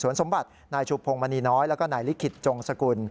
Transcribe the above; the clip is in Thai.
สวนสมบัตินายศุพพงธ์มณีน้อยและนายลิขจงสกุล